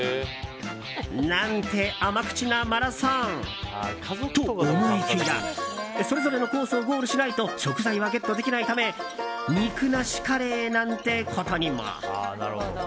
何て甘口なマラソンと思いきやそれぞれのコースをゴールしないと食材はゲットできないため肉なしカレーなんてことにも。